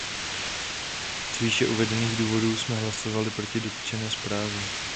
Z výše uvedených důvodů jsme hlasovali proti dotčené zprávě.